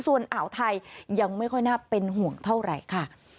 ส่วนอ่าวไทยยังไม่ค่อยน่าเป็นห่วงเท่าไหร่ค่ะ